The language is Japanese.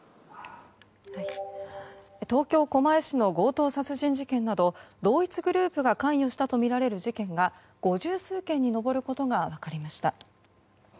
東京・狛江市の強盗殺人事件など同一グループが関与したとみられる事件が五十数件に上ることが分かりました。